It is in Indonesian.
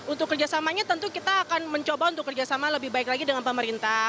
untuk kerjasamanya tentu kita akan mencoba untuk kerjasama lebih baik lagi dengan pemerintah